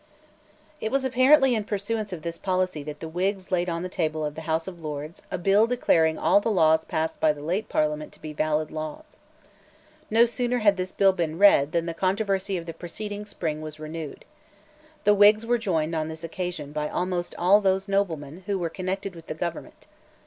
It was apparently in pursuance of this policy that the Whigs laid on the table of the House of Lords a bill declaring all the laws passed by the late Parliament to be valid laws. No sooner had this bill been read than the controversy of the preceeding spring was renewed. The Whigs were joined on this occasion by almost all those noblemen who were connected with the government.